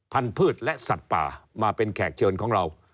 พืชและสัตว์ป่ามาเป็นแขกเชิญของเรา